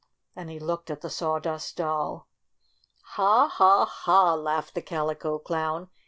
and he looked at the Sawdust Doll. "Ha! Ha! Ha!" laughed the Calico Clown.